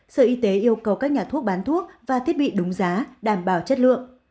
sở y tế yêu cầu các nhà thuốc bán thuốc và thiết bị đúng giá đảm bảo chất lượng